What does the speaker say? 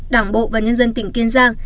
đảng bộ và nhân dân tỉnh kiên giang